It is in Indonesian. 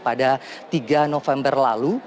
pada tiga november lalu